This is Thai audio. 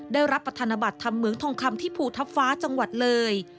ได้รับปธนบัตรทำเหมืองทองคำที่ภูทับฟ้าจังหวัดเลย